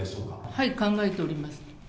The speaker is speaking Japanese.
はい、考えております。